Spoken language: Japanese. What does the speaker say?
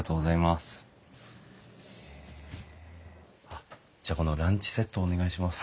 あっじゃあこのランチセットお願いします。